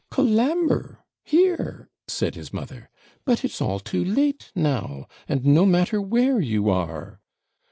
'Colambre! here!' said his mother; 'but it's all too late now, and no matter where you are.'